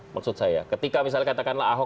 maksud saya ketika misalnya katakanlah ahok